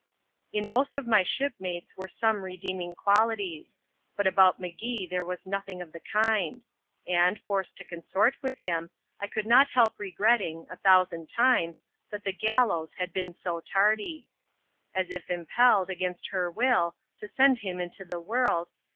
In most of my shipmates were some redeeming qualities; but about M'Gee there was nothing of the kind ; and, forced to consort with him, I could not help regretting, a thousand times, that the gallows had been so tardy. As if impelled, against her will, to send him into the world.